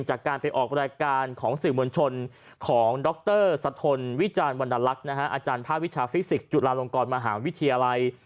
จากการไปออกรายการของสื่อมวลชนของดรสะทนวิจารณวรรณลักษณ์อาจารย์ภาควิชาฟิสิกส์จุฬาลงกรมหาวิทยาลัย